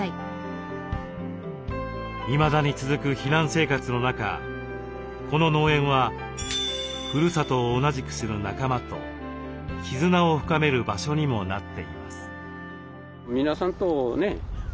いまだに続く避難生活の中この農園はふるさとを同じくする仲間と絆を深める場所にもなっています。